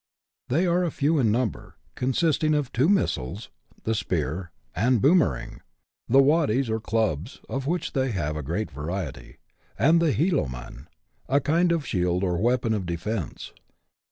They are few in number, consisting of two missiles, the spear and boomering; the " waddies," or clubs, of which they have a great variety ; and the " heeloman," a kind of shield or weapon of defence.